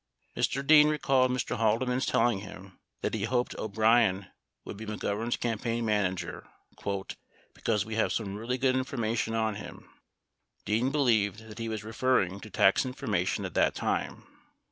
51 Mr. Dean recalled Mr. Haldeman telling him that he hoped O'Brien would be Senator McGovern's campaign manager, "because we have some really good information on him. (Dean) believed he was re ferring to tax information at that time."